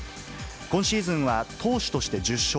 今シーズンは、投手として１０勝。